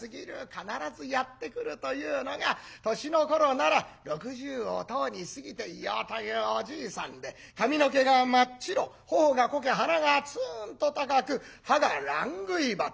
必ずやって来るというのが年の頃なら６０をとうに過ぎていようというおじいさんで髪の毛が真っ白頬がこけ鼻がツーンと高く歯が乱杭歯という。